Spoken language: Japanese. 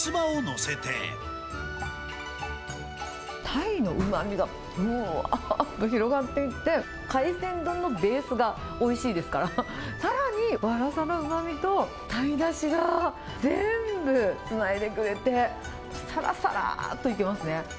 タイのうまみが、ぶわーっと広がっていって、海鮮丼のベースがおいしいですから、さらにワラサのうまみと、タイだしが全部つないでくれて、さらさらーっといけますね。